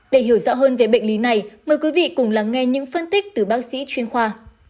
để hiểu rõ hơn về bệnh lý này mời quý vị cùng lắng nghe những phân tích từ bác sĩ chuyên khoa